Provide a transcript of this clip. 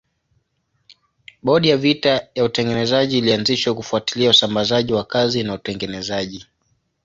Bodi ya vita ya utengenezaji ilianzishwa kufuatilia usambazaji wa kazi na utengenezaji.